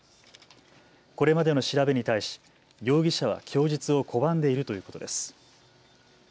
これまでの調べに対し容疑者は供述を拒んでいるということです。